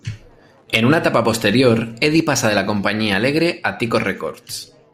En una etapa posterior, Eddie pasa de la compañía Alegre a Tico Records.